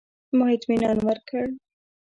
ما اطمنان ورکړ.